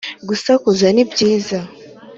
gusakuza ni byiza